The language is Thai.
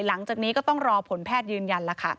หลังจากนี้ก็ต้องรอผลแพทยืนยัน